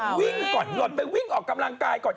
วิ่งก่อนหล่นไปวิ่งออกกำลังกายก่อน